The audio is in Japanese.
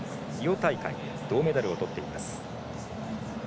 大会銅メダルをとっています。